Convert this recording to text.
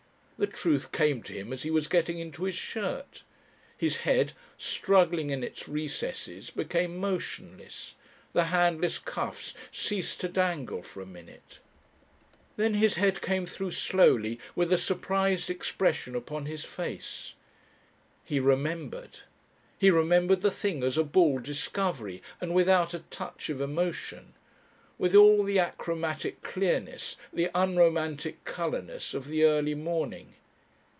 The truth came to him as he was getting into his shirt. His head, struggling in its recesses, became motionless, the handless cuffs ceased to dangle for a minute.... Then his head came through slowly with a surprised expression upon his face. He remembered. He remembered the thing as a bald discovery, and without a touch of emotion. With all the achromatic clearness, the unromantic colourlessness of the early morning....